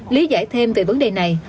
lý giải thêm về vấn đề này